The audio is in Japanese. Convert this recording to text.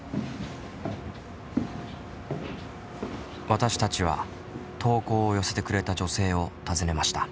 私たちは投稿を寄せてくれた女性を訪ねました。